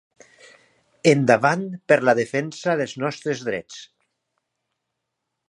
Endavant per la defensa dels nostres drets!